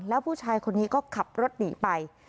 แล้วผู้ชายคนนี้ก็ขับรถหนีไป